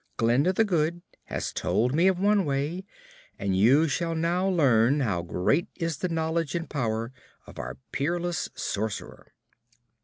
Glinda the Good has told me of one way, and you shall now learn how great is the knowledge and power of our peerless Sorceress."